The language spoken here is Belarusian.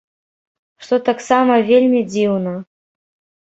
Што таксама вельмі дзіўна.